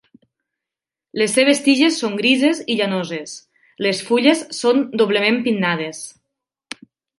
Les seves tiges són grises i llanoses; les fulles són doblement pinnades.